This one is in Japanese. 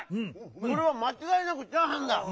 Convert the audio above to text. これはまちがいなく「チャーハン」だ！